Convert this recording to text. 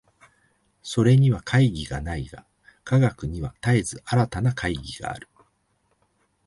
それには懐疑がないが、科学には絶えず新たな懐疑がある。